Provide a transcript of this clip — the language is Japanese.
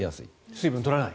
水分を取らない。